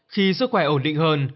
khi sức khỏe ổn định hơn